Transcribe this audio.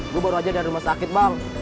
gue baru aja dari rumah sakit bang